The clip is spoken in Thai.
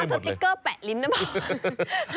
เอาสติกเกอร์แปะลิ้นนะบอก